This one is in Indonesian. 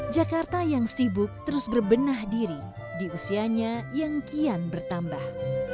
jakarta yang sibuk terus berbenah diri di usianya yang kian bertambah